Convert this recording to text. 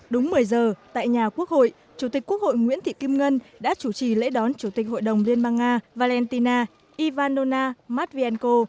đúng một mươi giờ tại nhà quốc hội chủ tịch quốc hội nguyễn thị kim ngân đã chủ trì lễ đón chủ tịch hội đồng liên bang nga valentina ivanova mát viên cô